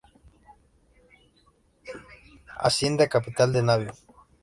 Asciende a capitán de navío.